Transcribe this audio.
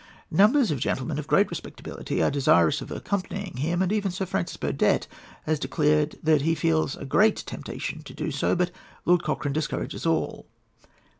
"Numbers of gentlemen of great respectability are desirous of accompanying him, and even Sir Francis Burdett has declared that he feels a great temptation to do so; but Lord Cochrane discourages all.